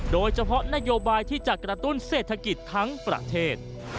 โดยเฉพาะนโยบายที่จะกระตุ้นเศรษฐกิจทั้งประเทศ